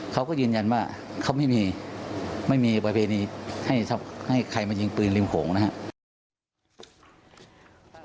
เขาก็ยืนยันว่าเขาไม่มีไม่มีประเพณีให้ใครมายิงปืนริมโขงนะครับ